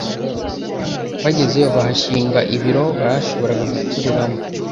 bagezeyo bahashinga ibiro bashoboraga gukoreramo